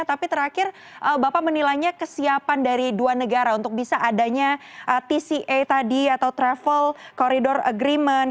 tapi terakhir bapak menilainya kesiapan dari dua negara untuk bisa adanya tca tadi atau travel corridor agreement